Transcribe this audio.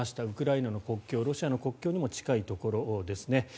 ウクライナの国境ロシアの国境にも近いところですね。